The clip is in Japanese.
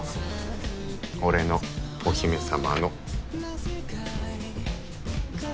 俺のお姫様の。